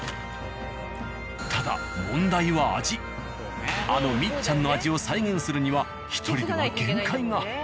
ただあの「みっちゃん」の味を再現するには１人では限界が。